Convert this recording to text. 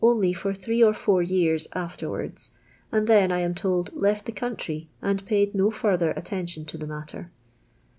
only for throe or four ycari afterwards, and then, I am told, left the country, and paid no farther attention to the matter.